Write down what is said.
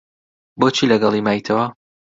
بۆچی لەگەڵی مایتەوە؟